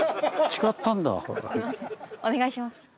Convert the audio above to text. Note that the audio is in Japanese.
お願いします。